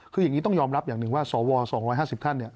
คืออย่างนี้ต้องยอมรับอย่างหนึ่งว่าสว๒๕๐ท่าน